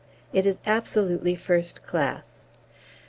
It is absolutely first class.